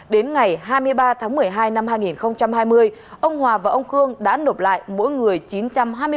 đến ngày hai mươi ba tháng một mươi hai năm hai nghìn hai mươi ông hòa và ông khương đã nộp lại mỗi người chín trăm hai mươi bảy triệu đồng để khắc phục khẩu quả